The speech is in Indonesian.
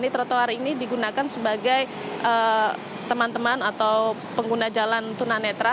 trotoar ini digunakan sebagai teman teman atau pengguna jalan tunanetra